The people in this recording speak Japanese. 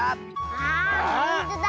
あほんとだ。